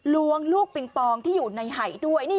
ล้วงลูกปิงปองที่อยู่ในหายด้วย